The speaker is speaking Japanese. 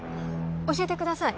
教えてください